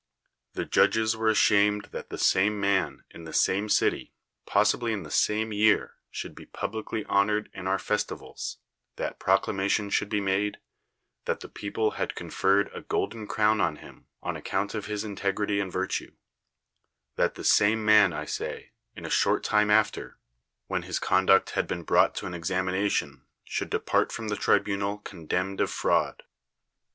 The judges were ashamed that the same man, in the same city, possibly in the same year, should be publicly honored in our festivals, that proclamation should be made "that the people had conferred a golden crown on him on account of his integ rity and virtue"; that the same man, I say, in a short time after, when his conduct had been brought to an examination, should depart from the tribunal condemned of j I'aud.